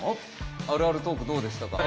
あるあるトークどうでしたか？